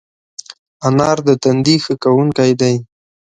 انار د تندي ښه کوونکی دی.